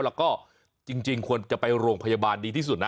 แล้วก็จริงควรจะไปโรงพยาบาลดีที่สุดนะ